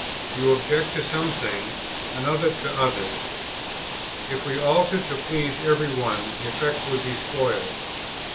You object to some things, another to others. If we altered to please every one, the effect would be spoiled.